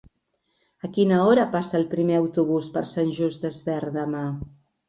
A quina hora passa el primer autobús per Sant Just Desvern demà?